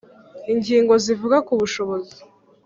Ingingo zivuga ku bushobozi